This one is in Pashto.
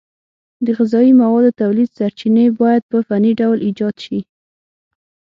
د غذایي موادو تولید سرچینې باید په فني ډول ایجاد شي.